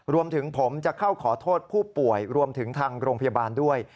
รวมถึงผมจะเข้าขอโทษผู้ป่วยรวมถึงทางโรงพยาบาลด้วย